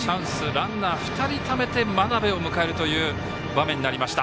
ランナー、２人ためて真鍋を迎えるという場面になりました。